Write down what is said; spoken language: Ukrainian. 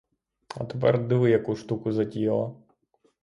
А тепер, диви, яку штуку затіяла.